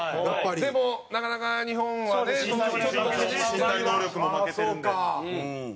澤部：でも、なかなか日本はね。副島：身長も身体能力も負けてるんで。